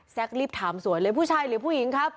รีบถามสวยเลยผู้ชายหรือผู้หญิงครับ